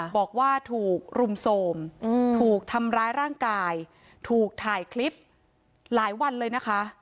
บอกว่าถูกรุมโทรมถูกทำร้ายร่างกายถูกถ่ายคลิปหลายวันเลยนะคะ